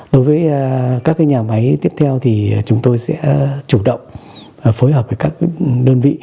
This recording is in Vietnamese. đối với các nhà máy tiếp theo thì chúng tôi sẽ chủ động phối hợp với các đơn vị